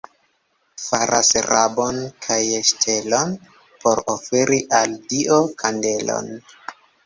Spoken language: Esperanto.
Faras rabon kaj ŝtelon, por oferi al Dio kandelon.